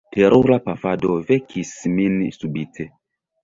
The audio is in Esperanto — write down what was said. Terura pafado vekis min subite.